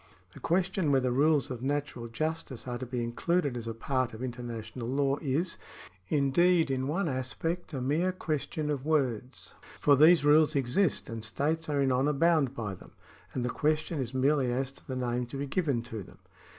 The question whether rules of natural justice are to be in cluded as a part of international law is, indeed, in one aspect, a mere question of words. For these rules exist, and states are in honour bound by them, and the question is merely as to the name to be given to them.